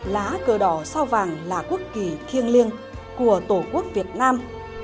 lá cờ đỏ sao vàng là quốc kỳ thiêng liêng của tổ quốc việt nam